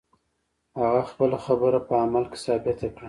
هغه خپله خبره په عمل کې ثابته کړه.